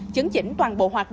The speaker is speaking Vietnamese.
chứng chỉnh toàn bộ hoạt động